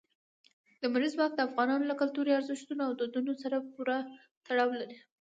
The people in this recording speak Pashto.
لمریز ځواک د افغانانو له کلتوري ارزښتونو او دودونو سره پوره تړاو لري.